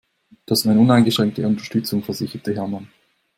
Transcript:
Du hast meine uneingeschränkte Unterstützung, versicherte Hermann.